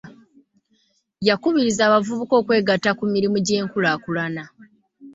Yakubiriza abavubuka okwegatta ku mirimu gy'enkulaakulana.